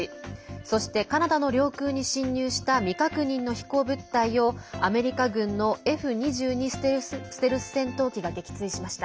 そして、カナダの領空に侵入した未確認の飛行物体をアメリカ軍のＦ２２ステルス戦闘機が撃墜しました。